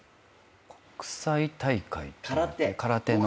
国際大会空手の。